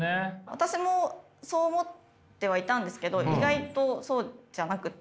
私もそう思ってはいたんですけど意外とそうじゃなくって。